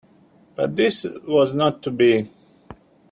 But this was not to be.